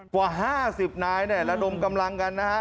กว่า๕๐นายระดมกำลังกันนะฮะ